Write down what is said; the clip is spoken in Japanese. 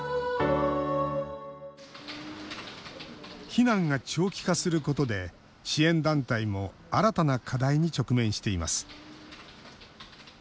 避難が長期化することで支援団体も新たな課題に直面しています。